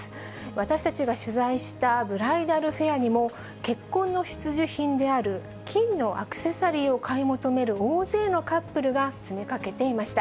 私たちが取材したブライダルフェアにも、結婚の必需品である、金のアクセサリーを買い求める大勢のカップルが詰めかけていました。